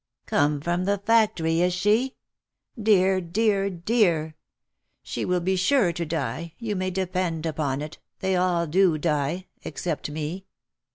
" Come from the factory, is she? Dear, dear, dear, dear! She will be sure to die, you may depend upon it — they all do die, except me.